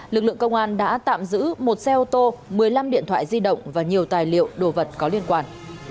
lực lượng công an đã tạm giữ một xe ô tô một mươi năm điện thoại di động và nhiều tài liệu đồ vật có liên quan